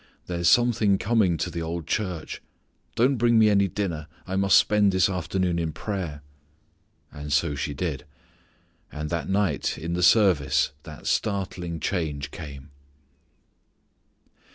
There's something coming to the old church. Don't bring me any dinner. I must spend this afternoon in prayer." And so she did. And that night in the service that startling change came.